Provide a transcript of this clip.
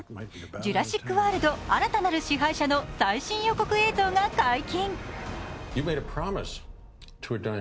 「ジュラシック・ワールド／新たなる支配者」の最新予告が解禁。